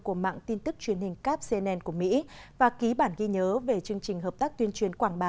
của mạng tin tức truyền hình capcnn của mỹ và ký bản ghi nhớ về chương trình hợp tác tuyên truyền quảng bá